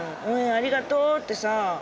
「応援ありがとう」ってさ。